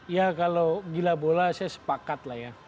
ya kalau gila bola saya sepakat lah ya